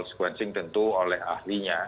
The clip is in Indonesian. sequencing tentu oleh ahlinya